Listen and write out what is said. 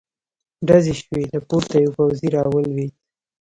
ډزې شوې، له پورته يو پوځې را ولوېد.